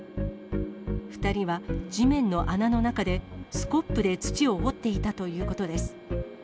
２人は地面の穴の中で、スコップで土を掘っていたということです。